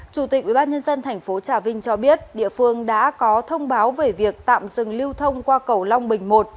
chủ tịch ubnd tp trà vinh cho biết địa phương đã có thông báo về việc tạm dừng lưu thông qua cầu long bình một